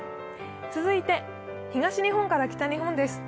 続いて東日本から北日本です。